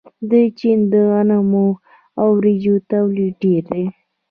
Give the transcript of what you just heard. د چین د غنمو او وریجو تولید ډیر دی.